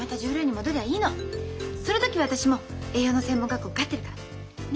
その時は私も栄養の専門学校受かってるから。ね！